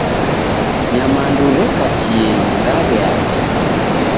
Nyamandu reka chienyi, raw'eacha.